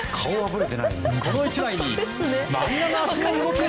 この１枚に、漫画の足の動き。